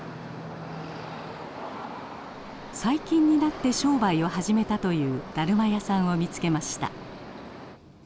最近になって商売を始めたというだるま屋さんを見つけました。